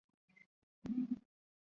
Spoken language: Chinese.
李迅李姚村人。